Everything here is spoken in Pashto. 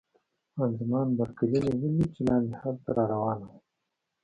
خان زمان بارکلي مې ولیده چې لاندې هال ته را روانه وه.